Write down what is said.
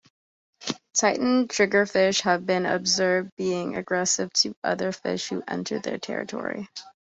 Titan triggerfish have been observed being aggressive to other fish who enter their territory.